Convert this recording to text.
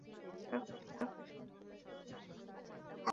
সরকারি সম্পদের ক্ষতির সঙ্গে জড়িত ব্যক্তিদের চিহ্নিত করে তালিকা করা হয়েছে।